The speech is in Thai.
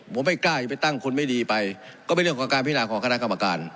ผมไม่กล้าจะไปตั้งคนไม่ดีไปก็เป็นเรื่องของการพินาของคณะกรรมการ